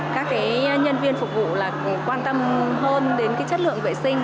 các nhân viên phục vụ quan tâm hơn đến chất lượng vệ sinh